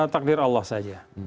takdir allah saja